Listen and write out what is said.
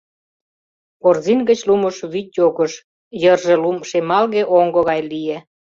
Корзин гыч лумыш вӱд йогыш, йырже лум шемалге оҥго гай лие.